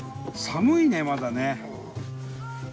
寒いねまだね。